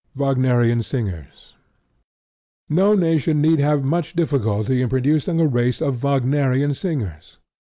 WAGNERIAN SINGERS No nation need have much difficulty in producing a race of Wagnerian singers.